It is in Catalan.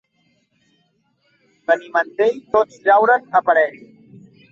Benimantell, tots llauren a parell.